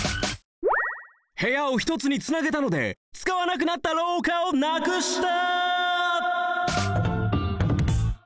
部屋をひとつにつなげたのでつかわなくなったろうかをなくした！